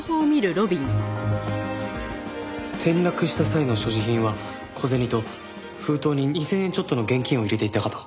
えっと転落した際の所持品は小銭と封筒に２０００円ちょっとの現金を入れていたかと。